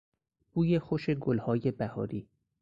بوی خوش گلهای بهاری